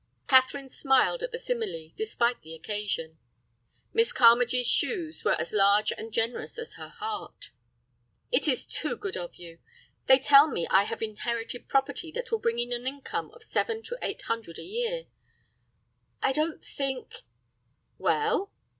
Catherine smiled at the simile, despite the occasion. Miss Carmagee's shoes were as large and generous as her heart. "It is too good of you. They tell me I have inherited property that will bring in an income of seven to eight hundred a year. I don't think—" "Well?"